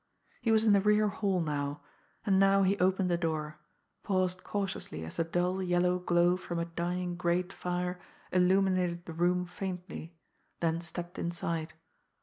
He was in the rear hall now, and now he opened a door, paused cautiously as the dull yellow glow from a dying grate fire illuminated the room faintly, then stepped inside.